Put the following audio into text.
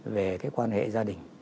về cái quan hệ gia đình